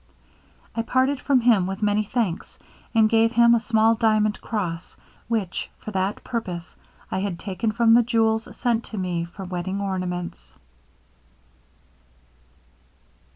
I parted from him with many thanks, and gave him a small diamond cross, which, for that purpose, I had taken from the jewels sent to me for wedding ornaments.'